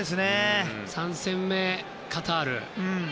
３戦目、カタール。